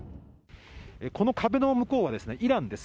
この壁の向こうはイランです。